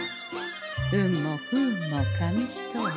運も不運も紙一重。